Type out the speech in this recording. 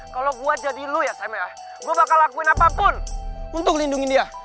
kalau gue jadi lo ya sm ya gue bakal lakuin apapun untuk lindungi dia